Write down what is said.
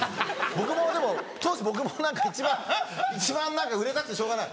僕もでも当時僕も一番売れたくてしょうがない。